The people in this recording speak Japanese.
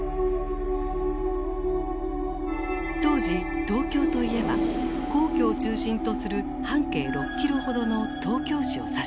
当時東京といえば皇居を中心とする半径６キロほどの東京市を指した。